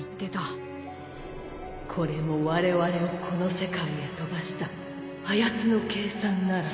これもわれわれをこの世界へ飛ばしたあやつの計算ならば